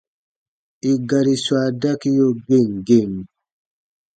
I gari swa dakiyo gem gem.